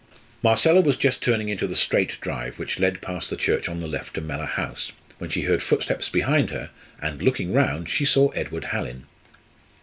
Marcella was just turning into the straight drive which led past the church on the left to Mellor House, when she heard footsteps behind her, and, looking round, she saw Edward Hallin.